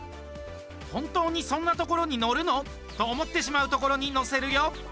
本当にそんなところに乗るの？と思ってしまうところに乗せるよ。